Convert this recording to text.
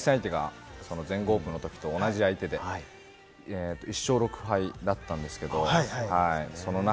しかも対戦相手が全豪オープンのときと同じ相手で１勝６敗だったんですけれども、はい。